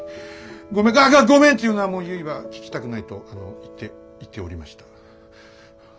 ごめああっごめんって言うのはもうゆいは聞きたくないとあの言って言っておりました。